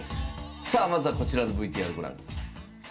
さあまずはこちらのＶＴＲご覧ください。